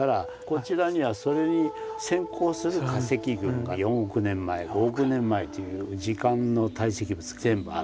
こちらにはそれに先行する化石群が４億年前５億年前という時間の堆積物が全部ある。